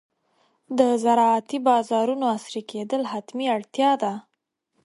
د زراعتي بازارونو عصري کېدل حتمي اړتیا ده.